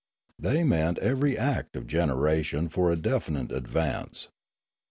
They meant every act of generation for a definite advance.